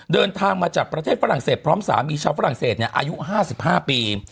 เดินทางมาจากประเทศฝรั่งเศสพร้อมสามีชาวฝรั่งเศสอายุ๕๕ปี